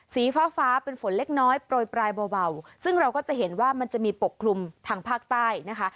สีฟ้าฟ้าเป็นฝนเล็กน้อยโปรยปลายเบาซึ่งเราก็จะเห็นว่ามันจะมีปกคลุมทางภาคใต้นะคะ